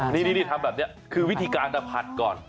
นี่ทำแบบนี้คือวิธีการจะผัดก่อน